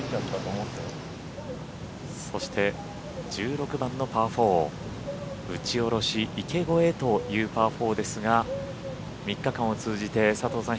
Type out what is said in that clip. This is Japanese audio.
そして１６番のパー４打ち下ろし、池越えというパー４ですが３日間を通じて、佐藤さん